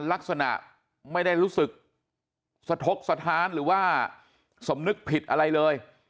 ลักษณะไม่ได้รู้สึกสะทกสถานหรือว่าสำนึกผิดอะไรเลย